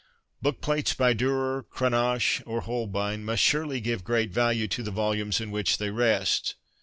Bookplates by Durer, Cranach, or Holbein must surely give great value to the volumes in which they rest.